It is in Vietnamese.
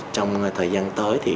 trong thời gian tới